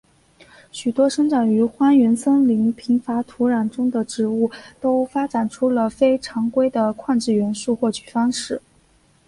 许多生长于荒原森林贫乏土壤中的植物都发展出了非常规的矿质元素获取方式。